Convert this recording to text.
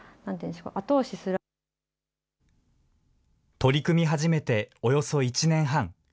取り組み始めておよそ１年半。